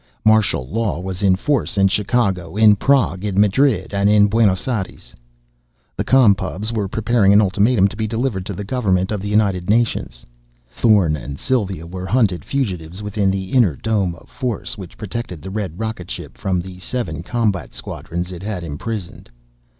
Martial law was in force in Chicago, in Prague, in Madrid, and in Buenos Aires. The Com Pubs were preparing an ultimatum to be delivered to the government of the United Nations. Thorn and Sylva were hunted fugitives within the inner dome of force, which protected the red rocket ship from the seven combat squadrons it had imprisoned.